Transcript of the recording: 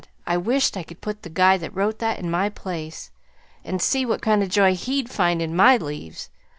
I wished I could put the guy that wrote that in my place, and see what kind of joy he'd find in my 'leaves.'